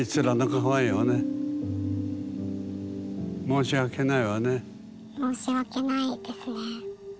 申し訳ないわね。